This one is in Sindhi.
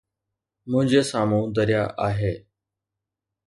منهنجي سامهون درياهه آهي.